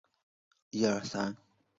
黄豆树是豆科合欢属的植物。